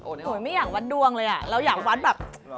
โอ้โหไม่อยากวัดดวงเลยอ่ะเราอยากวัดแบบ